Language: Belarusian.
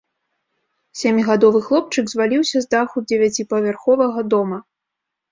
Сямігадовы хлопчык зваліўся з даху дзевяціпавярховага дома.